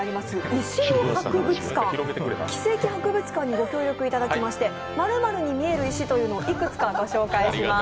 石の博物館奇石博物館にご協力いただきまして○○に見える石というのをいくつかご紹介します。